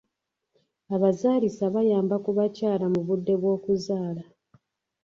Abazaalisa bayamba ku bakyala mu budde bw'okuzaala.